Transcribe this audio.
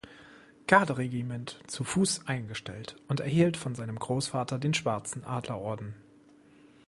Garde-Regiment zu Fuß eingestellt und erhielt von seinem Großvater den Schwarzen Adlerorden.